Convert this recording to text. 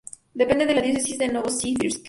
Depende de la diócesis de Novosibirsk.